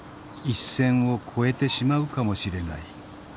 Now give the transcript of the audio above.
一線を越えてしまうかもしれない。